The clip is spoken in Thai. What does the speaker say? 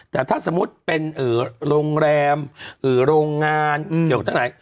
แต่ถ้าสมมุติเป็นโรงแรมโรงงานเกี่ยวกับทั้งหลาย